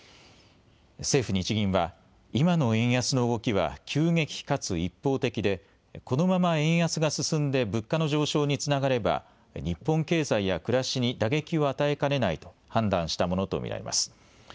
政府、日銀は今の円安の動きは急激かつ一方的で、このまま円安が進んで物価の上昇につながれば、日本経済や暮らしに打撃を与えかねないと判断したものと見られます。